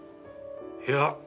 いや。